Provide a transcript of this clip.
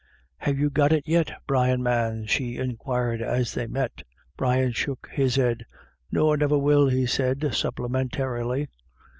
" Have you got it yit, Brian, man ?" she inquired as they met. Brian shook his head. u Nor niver will," he said supplementarily.